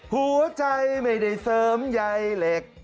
หัวใจไม่ได้เสริมใยเหล็ก